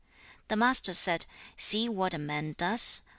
The Master said, 'See what a man does.